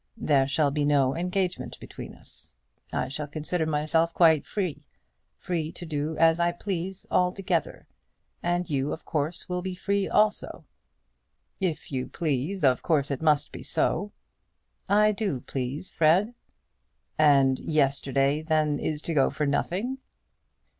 There shall be no engagement between us. I shall consider myself quite free, free to do as I please altogether; and you, of course, will be free also." "If you please, of course it must be so." "I do please, Fred." "And yesterday, then, is to go for nothing."